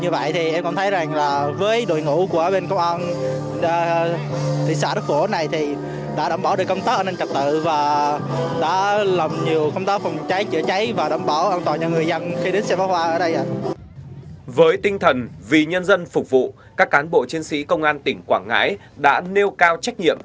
với tinh thần vì nhân dân phục vụ các cán bộ chiến sĩ công an tỉnh quảng ngãi đã nêu cao trách nhiệm